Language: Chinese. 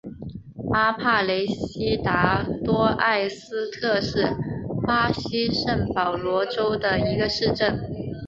阿帕雷西达多埃斯特是巴西圣保罗州的一个市镇。